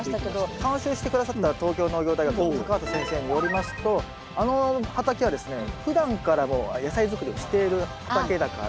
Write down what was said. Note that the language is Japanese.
監修して下さった東京農業大学の畑先生によりますとあの畑はですねふだんからもう野菜づくりをしている畑だから。